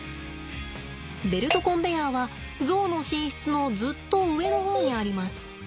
ベルトコンベヤーはゾウの寝室のずっと上の方にあります。